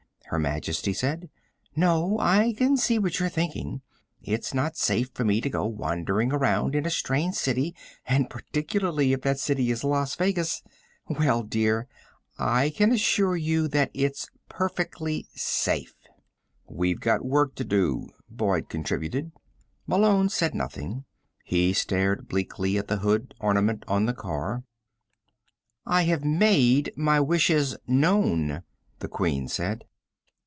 Her Majesty said. "No. I can see what you're thinking. It's not safe to let me go wandering around in a strange city, and particularly if that city is Las Vegas. Well, dear, I can assure you that it's perfectly safe." "We've got work to do," Boyd contributed. Malone said nothing. He stared bleakly at the hood ornament on the car. "I have made my wishes known," the Queen said.